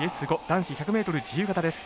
男子１００ｍ自由形です。